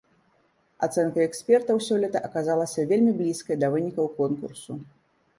Ацэнка экспертаў сёлета аказалася вельмі блізкай да вынікаў конкурсу.